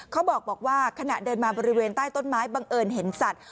เขาบอกว่าขณะเดินมาบริเวณใต้ต้นไม้บังเอิญเห็นสัตว์